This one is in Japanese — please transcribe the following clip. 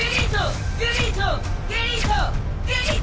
デリート！